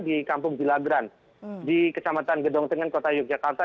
di kampung gilagran di kecamatan gedongtengan kota yogyakarta